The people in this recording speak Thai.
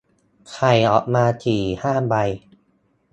ไข่ออกมาสี่ห้าใบ